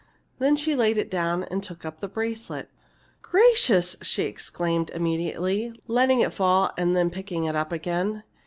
Then she laid it down and took up the bracelet. "Gracious!" she exclaimed immediately, letting it fall and then picking it up again.